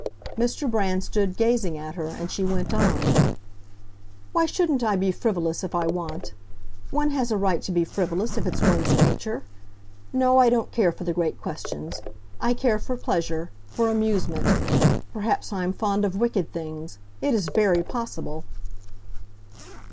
Mr. Brand stood gazing at her, and she went on, "Why shouldn't I be frivolous, if I want? One has a right to be frivolous, if it's one's nature. No, I don't care for the great questions. I care for pleasure—for amusement. Perhaps I am fond of wicked things; it is very possible!"